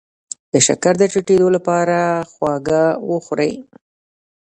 د شکر د ټیټیدو لپاره خواږه وخورئ